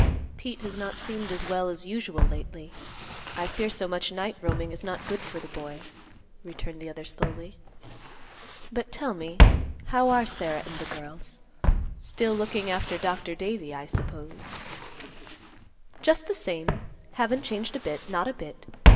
"Pete has not seemed as well as usual lately. I fear so much night roaming is not good for the boy," returned the other slowly. "But tell me, how are Sarah and the girls? Still looking after Dr. Davie, I suppose." "Just the same; haven't changed a bit; not a bit.